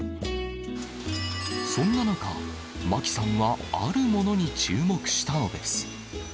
そんな中、牧さんはあるものに注目したのです。